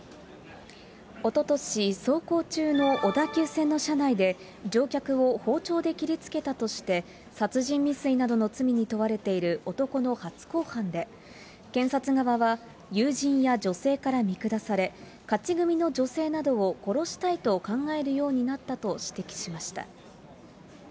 おととし、走行中の小田急線の車内で、乗客を包丁で切りつけたとして、殺人未遂などの罪に問われている男の初公判で、検察側は、友人や女性から見下され、勝ち組の女性などを殺したいと考えるようになったと指摘しました。